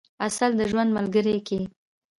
عسل د ژوند ملګری کئ.